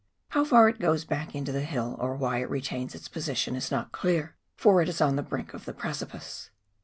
How far it goes back into the hill, or why it retains its position, is not clear, for it is on the brink of the precipice.